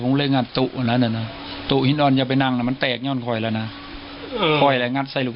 พวกเขามีสะพานเล่นลิมไม่เท่านั้น